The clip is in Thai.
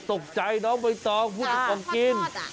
ตกใจน้องมันต้องด้องกิน